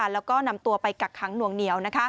แล้วก็นำตัวไปกักขังหน่วงเหนียว